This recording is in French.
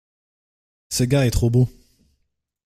Ce gars est trop beau.